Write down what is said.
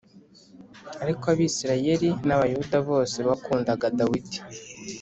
Ariko Abisirayeli n’Abayuda bose bakundaga Dawidi